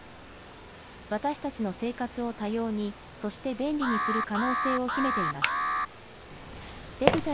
私たちの生活を多様に、そして便利にする可能性を秘めています。